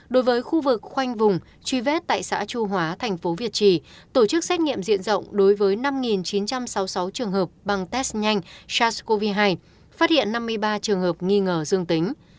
đối với khu vực khoanh vùng truy vết tại xã chu hóa thành phố việt trì tổ chức xét nghiệm diện rộng đối với năm chín trăm sáu mươi sáu trường hợp bằng test nhanh sars cov hai phát hiện năm mươi ba trường hợp nghi ngờ dương tính